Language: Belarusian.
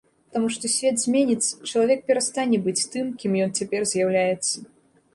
Таму што свет зменіцца, чалавек перастане быць тым кім ён цяпер з'яўляецца.